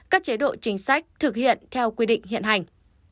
các chế độ chính sách thực hiện theo quy định hiện hành